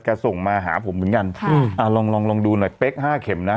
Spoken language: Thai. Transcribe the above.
ส่งมาหาผมเหมือนกันลองลองดูหน่อยเป๊กห้าเข็มนะ